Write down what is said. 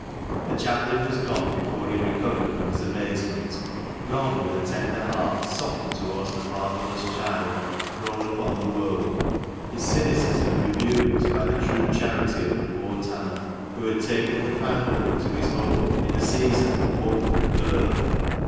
The chaplain was gone before he recovered from his amaze ment— gone, with a tender heart softened towards the father less child thrown upon the world, his cynicism rebuked by the true charity of the poor tanner, who had taken the foundling to his home in a season of woeful dearth.